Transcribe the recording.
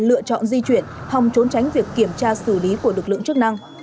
lựa chọn di chuyển hòng trốn tránh việc kiểm tra xử lý của lực lượng chức năng